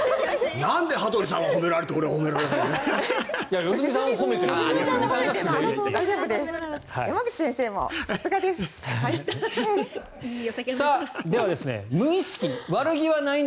なんで羽鳥さんは褒められて俺は褒められないの？